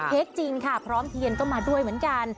จริงค่ะพร้อมเทียนก็มาด้วยเหมือนกัน